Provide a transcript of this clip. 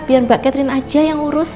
biar mbak catherine aja yang ngurus